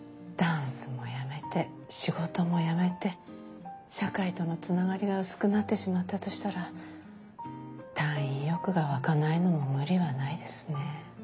ダンスもやめて仕事もやめて社会とのつながりが薄くなってしまったとしたら退院意欲が湧かないのも無理はないですね。